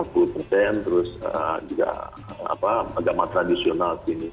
terus juga agama tradisional